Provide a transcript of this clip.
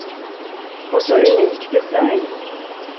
Och så unik design.